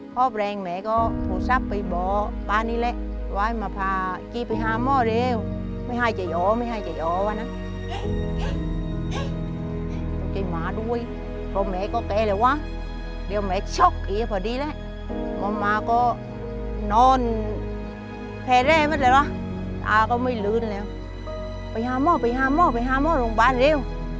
ไปหาหม้อไปหาหม้อไปหาหม้อโรงพยาบาลเร็ว